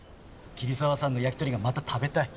桐沢さんの焼き鳥がまた食べたい。